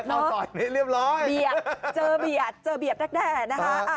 เข้าซอยนี้เรียบร้อยเจอเบียดแน่นะคะ